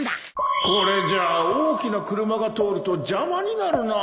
これじゃ大きな車が通ると邪魔になるな